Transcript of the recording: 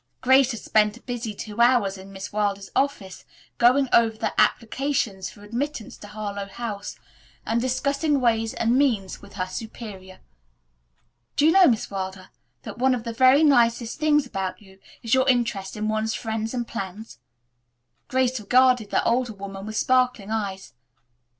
Grace had spent a busy two hours in Miss Wilder's office going over the applications for admittance to Harlowe House and discussing ways and means with her superior. "Do you know, Miss Wilder, that one of the very nicest things about you is your interest in one's friends and plans?" Grace regarded the older woman with sparkling eyes.